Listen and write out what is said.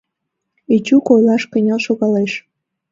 — Эчук ойлаш кынел шогалеш.